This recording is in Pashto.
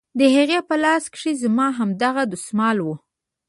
د هغې په لاس کښې زما هماغه دسمال و.